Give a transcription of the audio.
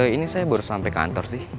ini saya baru sampai kantor sih